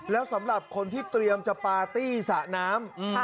แล้วสำหรับคนที่เตรียมจะปาร์ตี้สระน้ำ